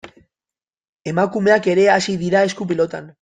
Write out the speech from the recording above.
Emakumeak ere hasi dira esku-pilotan.